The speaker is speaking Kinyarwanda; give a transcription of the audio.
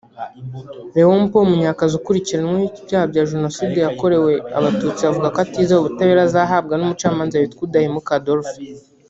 Léopord Munyakazi ukurikiranweho ibyaha bya Jenoside yakorewe Abatutsi avuga ko atizeye ubutabera azahabwa n’umucamanza witwa Udahemuka Adolphe